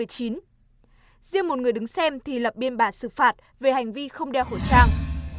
riêng một người đứng xem thì lập biên bản xử phạt về hành vi không đeo khẩu trang